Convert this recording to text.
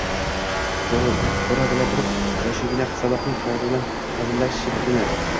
Ko`ra-bila turib, yoshgina qizaloqning hayoti bilan hazillashibdimi